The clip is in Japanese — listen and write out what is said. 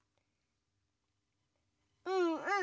うんうん！